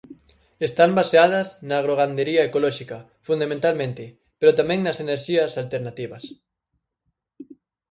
Están baseadas na agrogandería ecolóxica fundamentalmente, pero tamén nas enerxías alternativas.